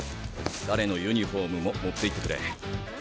彼のユニフォームも持っていってくれ。